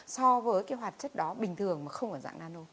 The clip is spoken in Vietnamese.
so với cái hoạt chất đó bình thường mà không ở dạng nano